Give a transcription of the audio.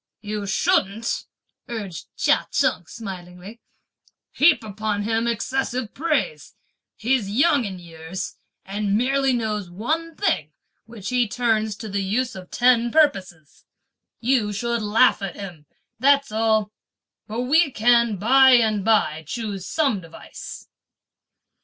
"You shouldn't," urged Chia Cheng smilingly, "heap upon him excessive praise; he's young in years, and merely knows one thing which he turns to the use of ten purposes; you should laugh at him, that's all; but we can by and by choose some device."